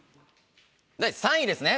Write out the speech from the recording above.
第３位ですね。